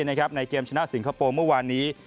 ในเกมชนะสิงคโปร์เมื่อวานนี้